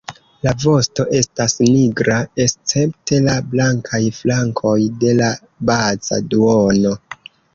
La vosto estas nigra escepte la blankaj flankoj de la baza duono.